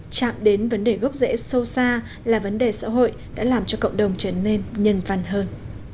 chạm đến vấn đề gốc rễ sâu xa là vấn đề xã hội đã làm cho cộng đồng trở nên nhân văn hơn